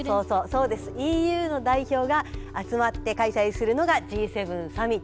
そうですＥＵの代表が集まって開催するのがＧ７サミット。